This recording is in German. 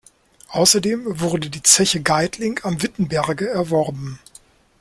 Außerdem wurde die Zeche Geitling am Wittenberge erworben.